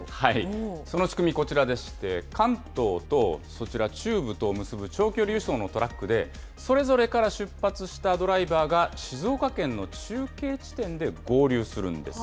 その仕組み、こちらでして、関東と、そちら、中部とを結ぶ長距離輸送のトラックで、それぞれから出発したドライバーが、静岡県の中継地点で合流するんです。